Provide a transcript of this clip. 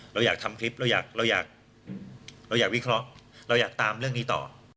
เราอยากทำคลิปเราอยากเราอยากวิเคราะห์เราอยากตามเรื่องนี้ต่อ